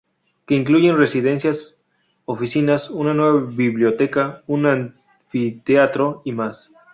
Que incluye residencias, oficinas, una nueva biblioteca, un anfiteatro y más.